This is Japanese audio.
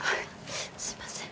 すいません。